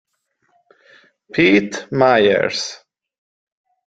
Pete Myers